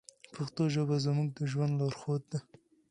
پښتو ژبه زموږ د ژوند لارښود ده.